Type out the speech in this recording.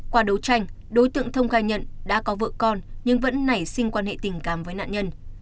qua đấu tranh đối tượng thông khai nhận đã có vợ con nhưng vẫn nảy sinh quan hệ tình cảm với nạn nhân